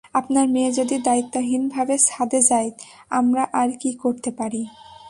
আপনার মেয়ে যদি দায়িত্বহীনভাবে ছাদে যায়, আমরা আর কি করতে পারি?